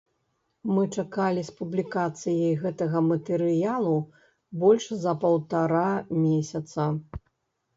Мы чакалі з публікацыяй гэтага матэрыялу больш за паўтара месяца.